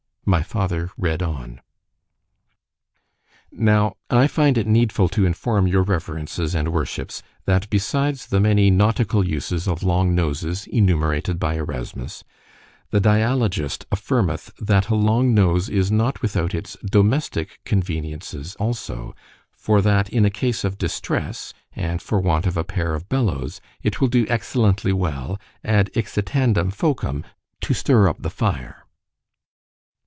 My father read on.—— Now I find it needful to inform your reverences and worships, that besides the many nautical uses of long noses enumerated by Erasmus, the dialogist affirmeth that a long nose is not without its domestic conveniences also; for that in a case of distress—and for want of a pair of bellows, it will do excellently well, ad ixcitandum focum (to stir up the fire.)